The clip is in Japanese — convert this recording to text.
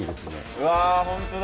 うわ本当だ！